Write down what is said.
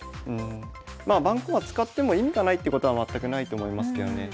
まあ盤駒使っても意味がないってことは全くないと思いますけどね。